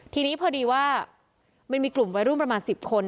ทีนี้พอดีว่ามันมีกลุ่มวัยรุ่นประมาณ๑๐คน